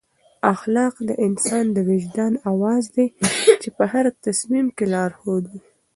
اخلاق د انسان د وجدان اواز دی چې په هر تصمیم کې لارښود وي.